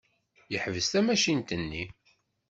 Yeḥbes tamacint-nni.